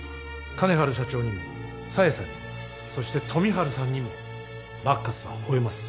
金治社長にも紗英さんにもそして富治さんにもバッカスは吠えます。